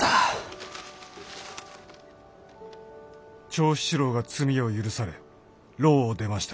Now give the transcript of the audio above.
「長七郎が罪を赦され牢を出ました」。